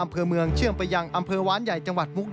ทำให้เกิดปัชฎพลลั่นธมเหลืองผู้สื่อข่าวไทยรัฐทีวีครับ